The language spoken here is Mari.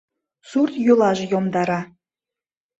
Сурт-йӱлаже йомдара.